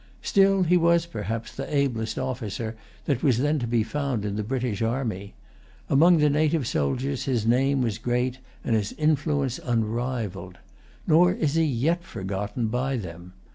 Still he was perhaps the ablest officer that was then to be found in the British army. Among the native soldiers his name was great and his influence unrivalled. Nor is he yet forgotten by them.